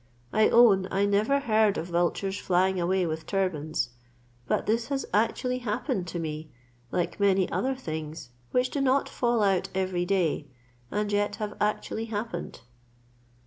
I own, I never heard of vultures flying away with turbans; but this has actually happened to me, like many other things, which do not fall out every day, and yet have actually happened."